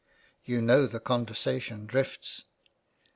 You know the conversa tion drifts."